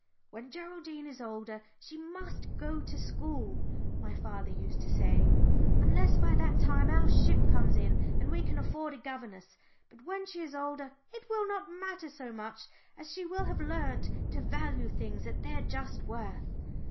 "When Geraldine is older she must go to school," my father used to say, "unless by that time our ship comes in and we can afford a governess. But when she is older it will not matter so much, as she will have learnt to value things at their just worth."